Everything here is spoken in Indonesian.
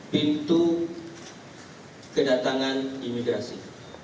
pintu kedatangan imigrasi